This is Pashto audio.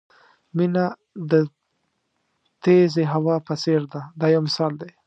مینه د تېزې هوا په څېر ده دا یو مثال دی.